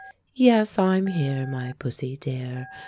"Yes, I'm here, my pussy dear.